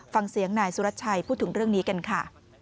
ฟังเสียงนายสุรชัยพูดถึงเรื่องนี้กันค่ะ